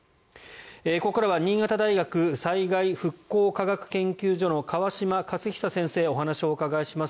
ここからは新潟大学災害・復興科学研究所の河島克久先生にお話をお伺いします。